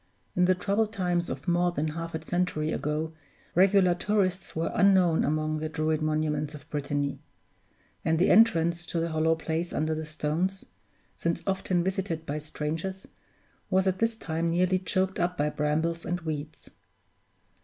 In the troubled times of more than half a century ago, regular tourists were unknown among the Druid monuments of Brittany; and the entrance to the hollow place under the stones since often visited by strangers was at this time nearly choked up by brambles and weeds.